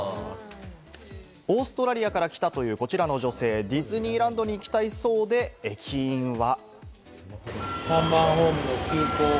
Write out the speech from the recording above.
オーストラリアから来たというこちらの女性、ディズニーランドに行きたいそうで、駅員は。